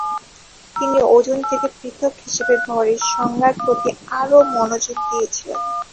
তিনি ওজন থেকে পৃথক হিসেবে ভরের সংজ্ঞার প্রতি আরও মনোযোগ দিয়েছিলেন।